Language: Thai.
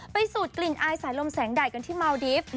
สูดกลิ่นอายสายลมแสงใดกันที่เมาดิฟต์